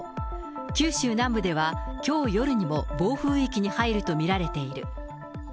九州南部ではきょう夜にも暴風域に入ると見られている。